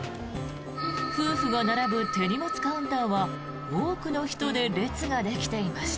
夫婦が並ぶ手荷物カウンターは多くの人で列ができていました。